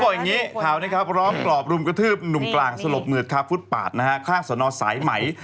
อย่างนี้ข่าวนี้ครับร้องกรอบรุมกระทืบหนุ่มกลางสลบเหมือดคาฟุตปาดนะฮะข้างสนสายไหม